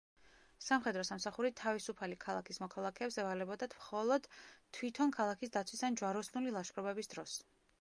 სამხედრო სამსახური თავისუფალი ქალაქის მოქალაქეებს ევალებოდათ მხოლოდ თვითონ ქალაქის დაცვის ან ჯვაროსნული ლაშქრობების დროს.